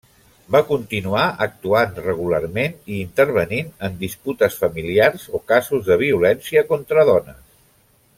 Va continuar actuant regularment i intervenint en disputes familiars o casos de violència contra dones.